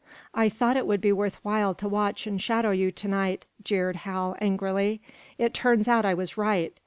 "I thought it would be worth while to watch and shadow you to night," jeered Hal, angrily. "It turns out I was right.